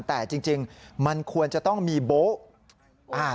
แต่จริงมันควรจะต้องมีโบ๊ะ